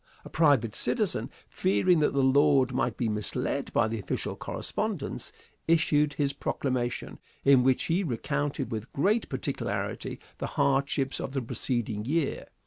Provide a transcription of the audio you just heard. A private citizen, fearing that the Lord might be misled by official correspondence, issued his proclamation, in which he recounted with great particularity the hardships of the preceding year.